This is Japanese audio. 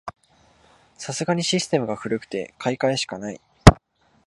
さすがにシステムが古くて買い替えしかない